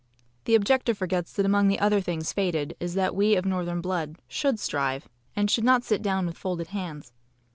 The objector forgets that among the other things fated is that we of northern blood SHOULD strive and should NOT sit down with folded hands.